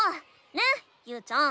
ねゆうちゃん。